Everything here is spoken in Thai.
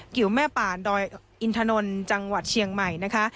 กิ๋วแม่ป่านดอยอินทนจังหวัดเชียงใหม่นะคะ